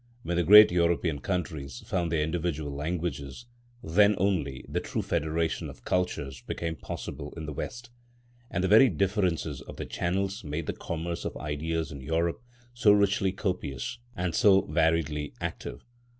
When the great European countries found their individual languages, then only the true federation of cultures became possible in the West, and the very differences of the channels made the commerce of ideas in Europe so richly copious and so variedly active.